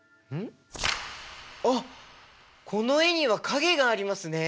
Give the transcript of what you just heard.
あっこの絵には影がありますね。